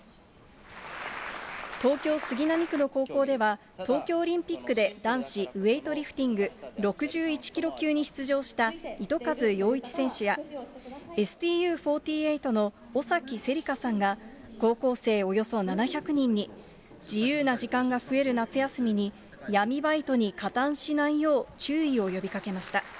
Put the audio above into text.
東京・杉並区の高校では、東京オリンピックで男子ウエイトリフティング６１キロ級に出場した糸数陽一選手や、ＳＴＵ４８の尾崎せりかさんが、高校生およそ７００人に、自由な時間が増える夏休みに、闇バイトに加担しないよう、注意を呼びかけました。